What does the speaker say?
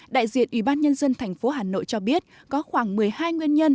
đại diện ủy ban nhân dân thành phố hà nội cho biết có khoảng một mươi hai nguyên nhân